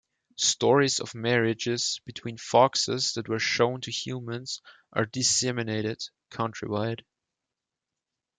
Stories of marriages between foxes that were shown to humans are disseminated country-wide.